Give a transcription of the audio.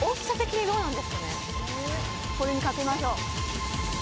これに懸けましょう。